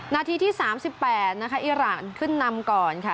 นาทีที่๓๘นะคะอิราณขึ้นนำก่อนค่ะ